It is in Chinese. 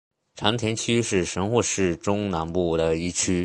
长田区是神户市中南部的一区。